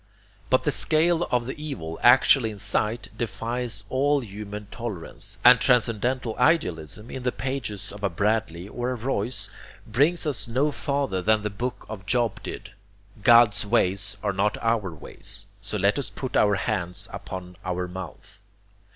But the scale of the evil actually in sight defies all human tolerance; and transcendental idealism, in the pages of a Bradley or a Royce, brings us no farther than the book of Job did God's ways are not our ways, so let us put our hands upon our mouth.